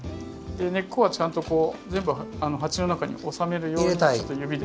根っこはちゃんと全部鉢の中に収めるように指で。